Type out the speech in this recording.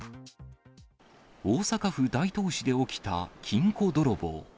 大阪府大東市で起きた金庫泥棒。